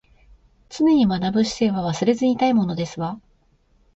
常に学ぶ姿勢は忘れずにいたいものですわ